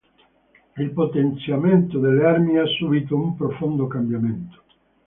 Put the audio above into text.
Il potenziamento delle armi ha subito un profondo cambiamento.